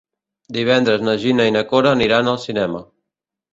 Divendres na Gina i na Cora aniran al cinema.